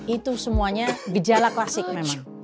itu semuanya gejala klasik memang